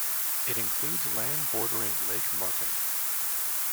It includes land bordering Lake Martin.